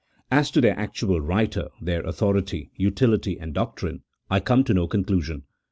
As to their actual writer, their authority, utility, and doctrine, I come to no conclusion.